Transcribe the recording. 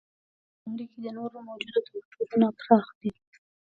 دا لکه په نړۍ کې د نورو موجودو توپیرونو پراخ دی.